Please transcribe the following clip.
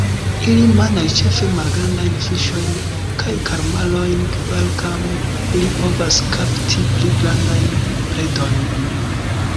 Ili manĝas ĉefe malgrandajn fiŝojn kaj kalmarojn, kvankam ili povas kapti pli grandajn predojn.